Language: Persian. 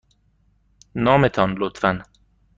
نام تان، لطفاً.